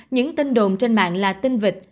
những tin đồn trên mạng là tin vịt